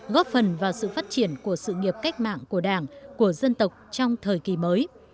góp phần vào sự phát triển của sự nghiệp cách mạng của đảng của dân tộc trong thời kỳ mới